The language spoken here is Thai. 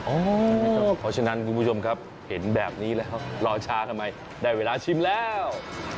เพราะฉะนั้นคุณผู้ชมครับเห็นแบบนี้แล้วรอช้าทำไมได้เวลาชิมแล้ว